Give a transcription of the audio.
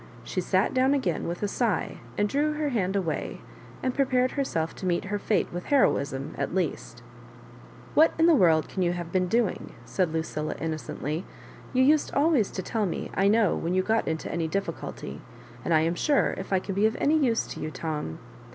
She sat down again with a sigh, and drew her hand away, and prepared herself to meet her fate with heroism at least " What in the world can you have been doing?" said Lucilla, innocently; "you used always to tell me, I know, when you got into any difficulty ; and I am sure if I can be of any use to you, Tom